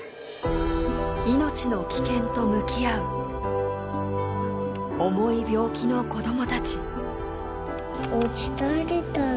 命の危険と向き合う重い病気の子どもたち。